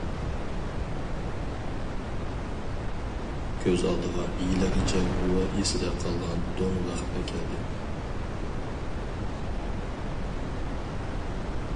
كۆز ئالدىغا ھېلىغىچە غۇۋا ئېسىدە قالغان دوڭ ۋەخپە كەلدى.